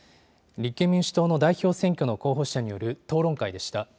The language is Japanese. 立憲民主党の代表選挙の候補者による討論会でした。